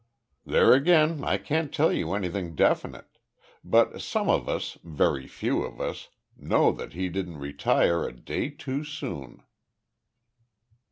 "There again I can't tell you anything definite. But some of us very few of us know that he didn't retire a day too soon."